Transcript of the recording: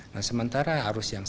nah sementara harus yang